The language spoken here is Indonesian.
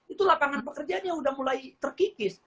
itu lapangan pekerjaannya sudah mulai terkikis